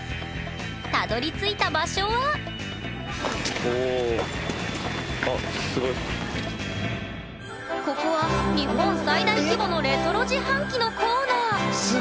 たどりついた場所はここは日本最大規模のレトロ自販機のコーナー。